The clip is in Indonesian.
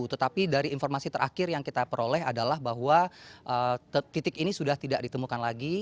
tetapi dari informasi terakhir yang kita peroleh adalah bahwa titik ini sudah tidak ditemukan lagi